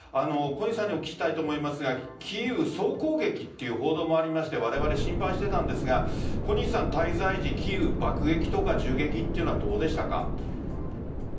小西さんにお聞きしたいと思いますがキーウ総攻撃という報道もありましてわれわれ心配していたんですが小西さん滞在時キーウ爆撃とか銃撃はどうでしたか？